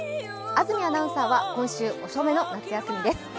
安住アナウンサーは今週遅めの夏休みです。